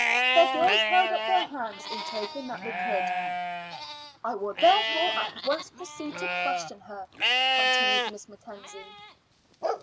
The girls held up their hands in token that they could. "I will therefore at once proceed to question her," continued Miss Mackenzie.